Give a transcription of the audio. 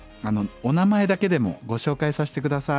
お名前だけでもご紹介させて下さい。